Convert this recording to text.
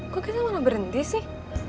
kok kita mana berhenti sih